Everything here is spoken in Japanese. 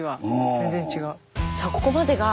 全然違う。